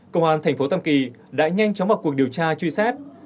công an thành phố tam kỳ đã nhanh chóng vào cuộc điều tra truy xét